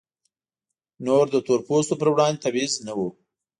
نور د تور پوستو پر وړاندې تبعیض نه و.